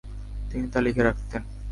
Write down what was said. তিনি তা লিখে রাখতেন।